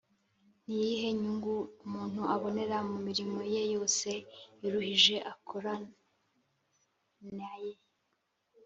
Ni iyihe nyungu umuntu abonera mu mirimo ye yose iruhije akoranae